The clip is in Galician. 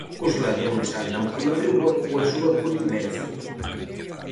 Os ladróns andan pola rúa coa súa conivencia.